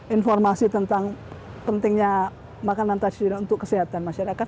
informasi tentang pentingnya makanan tradisional untuk kesehatan masyarakat